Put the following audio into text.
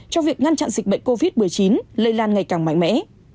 trong việc ngăn chặn dịch bệnh covid một mươi chín lây lan ngày càng mạnh mẽ